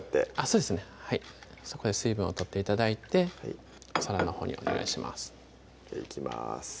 そうですねはいそこで水分を取って頂いてお皿のほうにお願いしますいきます